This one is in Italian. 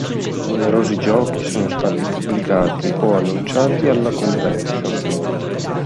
Numerosi giochi sono stati pubblicati o annunciati alla convention.